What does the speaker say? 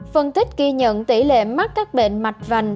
phân tích ghi nhận tỷ lệ mắc các bệnh mạch vành